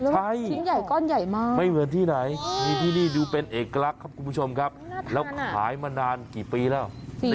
ใช่ไม่เหมือนที่ไหนมีที่นี่ดูเป็นเอกลักษณ์ครับคุณผู้ชมครับแล้วขายมานานกี่ปีแล้ว